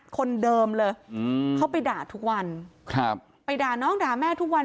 คนเดิมเลยอืมเขาไปด่าทุกวันครับไปด่าน้องด่าแม่ทุกวัน